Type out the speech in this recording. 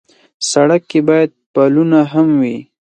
سړک کې باید پلونه هم وي.